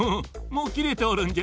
もうきれておるんじゃよ。